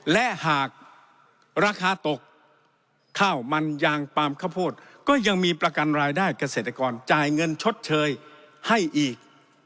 และหากราคาตกข้าวมันยางปลามข้าวโพดก็ยังมีประกันรายได้เกษตรกรจ่ายเงินชดเชยให้อีก